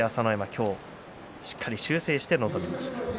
今日しっかりと修正しての取組でした。